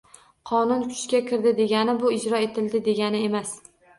Qonun kuchga kirdi, degani bu ijro etildi degani emas